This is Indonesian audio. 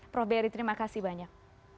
prof berry terima kasih banyak